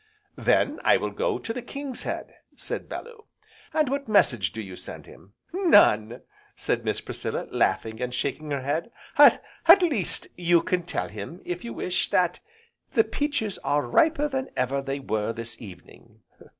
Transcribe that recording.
"Then I will go to the 'King's Head,'" said Bellew. "And what message do you send him?" "None," said Miss Priscilla, laughing and shaking her head, "at least, you can tell him, if you wish, that the peaches are riper than ever they were this evening."